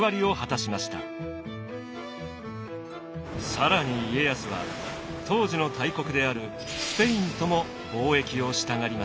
更に家康は当時の大国であるスペインとも貿易をしたがりました。